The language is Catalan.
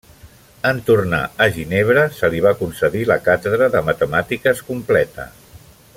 En tornar a Ginebra se li va concedir la càtedra de Matemàtiques completa.